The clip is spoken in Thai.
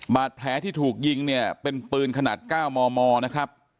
บาดแผลที่ถูกยิงเนี่ยเป็นปืนขนาด๙มมนะครับ